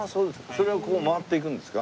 それはここ回って行くんですか？